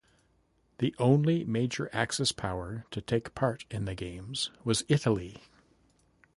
The only major Axis power to take part in the Games was Italy.